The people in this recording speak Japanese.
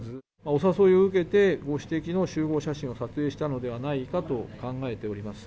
お誘いを受けて、ご指摘の集合写真を撮影したのではないかと考えております。